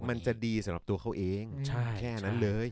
มันจะดีสำหรับตัวเขาเองแค่นั้นเลย